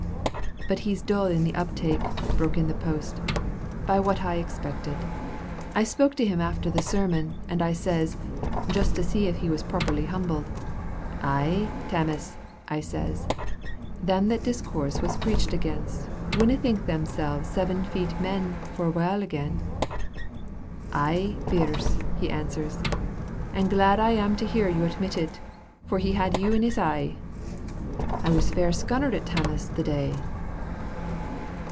"But he's dull in the uptake," broke in the post, "by what I expected. I spoke to him after the sermon, and I says, just to see if he was properly humbled: 'Ay, Tammas,' I says, 'them that discourse was preached against winna think themselves seven feet men for a while again.' 'Ay, Birse,' he answers, 'and glad I am to hear you admit it, for he had you in his eye.' I was fair scunnered at Tammas the day."